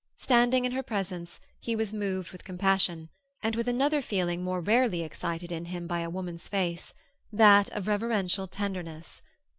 Standing in her presence, he was moved with compassion, and with another feeling more rarely excited in him by a woman's face, that of reverential tenderness.